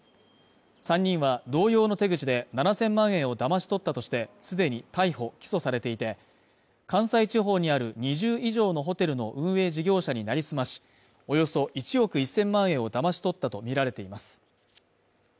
３人は同様の手口で７０００万円をだまし取ったとして既に逮捕・起訴されていて関西地方にある２０以上のホテルの運営事業者になりすまし、およそ１億１０００万円をだまし取ったとみられています。